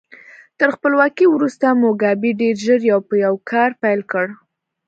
تر خپلواکۍ وروسته موګابي ډېر ژر یو په یو کار پیل کړ.